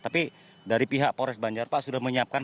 tapi dari pihak polres banjar pak sudah menyiapkan